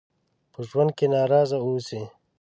په ژوند کې ناراضه اوسئ.